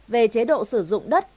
về chế độ sử dụng đất